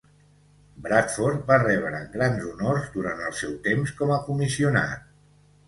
Bradford va rebre grans honors durant el seu temps com a Comissionat.